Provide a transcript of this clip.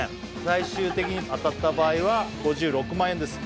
最終的に当たった場合は５６万円です